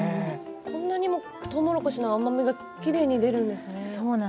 こんなにも、とうもろこしの甘みがきれいに出るんですね。